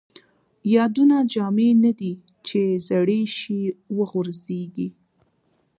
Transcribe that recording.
یادونه جامې نه دي ،چې زړې شي وغورځيږي